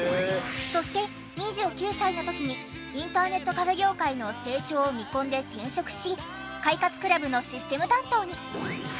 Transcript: そして２９歳の時にインターネットカフェ業界の成長を見込んで転職し快活ＣＬＵＢのシステム担当に。